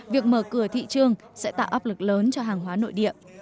việc mở cửa thị trường sẽ tạo áp lực lớn cho hàng hóa nội địa